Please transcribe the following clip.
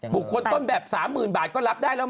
บุคคลต้นแบบสามหมื่นบาทก็รับได้แล้วไหม